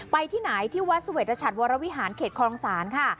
ไปที่ไหนที่วัดสุเวธอาชาติวรวิหารเขตครองศาลค่ะ